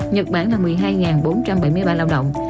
nhật bản là một mươi hai bốn trăm bảy mươi ba lao động